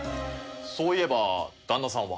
そういえば旦那さんは？